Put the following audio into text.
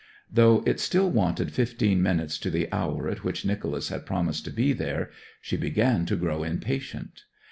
Though it still wanted fifteen minutes to the hour at which Nicholas had promised to be there, she began to grow impatient.